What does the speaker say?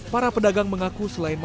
para pedagang mengaku selainnya